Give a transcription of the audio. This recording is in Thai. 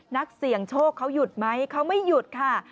นักเสี่ยงโชคเขาหยุดไหมเขาไม่หยุดค่ะ